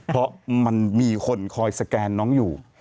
เพราะมันมีคนคอยสแกนน้องอยู่